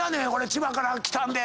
千葉から来たんで。